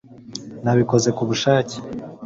nabikoze kubushake